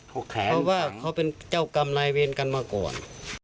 เพราะว่าเค้าเป็นเจ้ากำไรเวียนกันมาก่อน